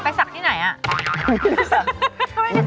ไปสักที่ไหนอะ